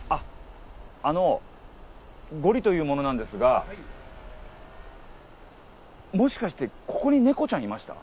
ああのゴリという者なんですがもしかしてここに猫ちゃんいました？